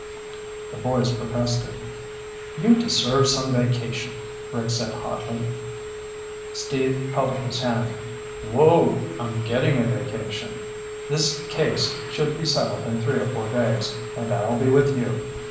The boys protested. "You deserve some vacation," Rick said hotly. Steve held up his hand. "Whoa! I'm getting a vacation. This case should be settled in three or four days, and I'll be with you.